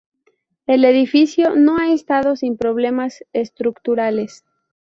El edificio no ha estado sin problemas estructurales.